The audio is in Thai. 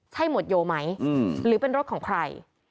ใช่หมวดโยไหมหรือเป็นรถของใคร